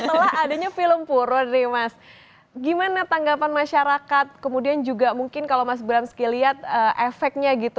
setelah adanya film puro nih mas gimana tanggapan masyarakat kemudian juga mungkin kalau mas bramski lihat efeknya gitu